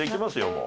もう。